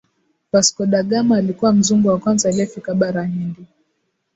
Vasco da Gama alikuwa Mzungu wa kwanza aliyefika Bara hindi